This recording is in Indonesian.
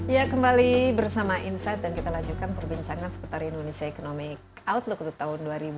ya kembali bersama insight dan kita lanjutkan perbincangan seputar indonesia economic outlook untuk tahun dua ribu dua puluh